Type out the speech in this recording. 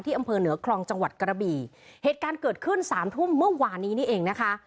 อำเภอเหนือคลองจังหวัดกระบี่เหตุการณ์เกิดขึ้นสามทุ่มเมื่อวานนี้นี่เองนะคะ